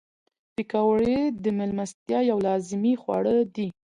پکورې د میلمستیا یو لازمي خواړه دي